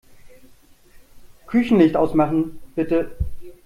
Küchenlicht ausmachen, bitte.